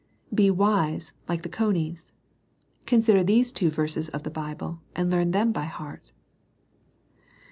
Be wise, like the conies. Consider these two verses of the Bible, and learn them by heart.